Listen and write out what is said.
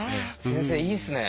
先生いいですね。